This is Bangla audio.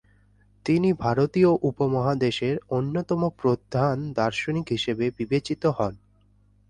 তিনি ভারতীয় উপমহাদেশের অন্যতম প্রধান দার্শনিক হিসাবে বিবেচিত হন।